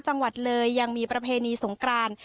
จังหวัดเลยยังมีประเพณีสงกราน